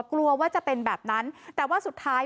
กลัวว่าจะเป็นแบบนั้นแต่ว่าสุดท้าย